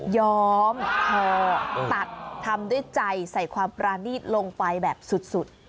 ยอมคอตัดทำด้วยใจใส่ความปรานีตลงไปแบบสุด